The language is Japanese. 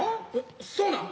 そうなん？